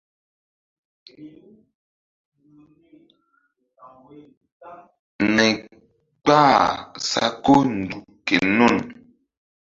Nay kpahri sa ko nzuk ke nun.